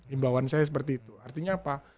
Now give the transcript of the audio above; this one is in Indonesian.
imbauan saya seperti itu artinya apa